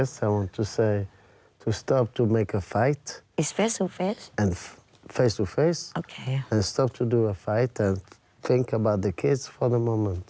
แล้วจริงคุณพ่อยังอยากคุยกับแม่เด็กอยู่ไหม